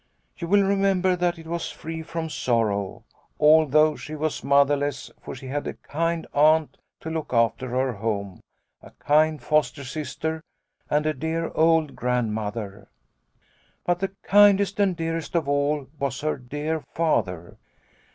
You will remember that it was free from sorrow, although she was motherless, for she had a kind aunt to look after her home, a kind foster sister, and a dear old Grandmother. But the kindest and dearest of all was her dear Father.